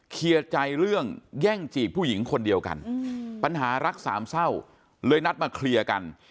เคลียร์ใจเรื่องแย่งจีบผู้หญิงคนเดียวกันปัญหารักสามเศร้าเลยนัดมาเคลียร์กัน